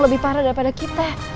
lebih parah daripada kita